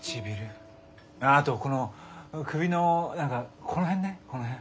あとこの首の何かこの辺ねこの辺。